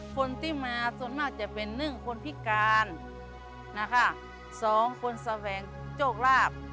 คนที่มาส่วนมากจะเป็น๑คนพิการ๒คนแสวงโจทย์ราบ